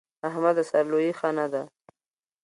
احمده! سر لويي ښه نه ده.